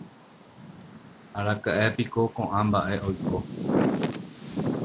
araka’épiko ko’ã mba’e oiko